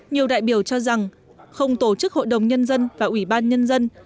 nhiều đại biểu cho rằng không tổ chức hội đồng nhân dân và ủy ban nhân dân